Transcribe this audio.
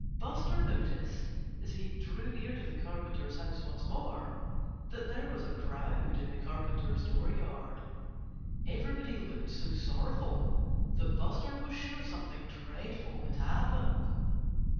Buster noticed, as he drew near to the Carpenter's house once more, that there was a crowd in the Carpenter's dooryard. Everybody looked so sorrowful that Buster was sure something dreadful had happened.